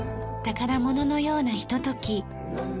宝物のようなひととき。